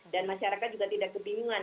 dan masyarakat juga tidak kebingungan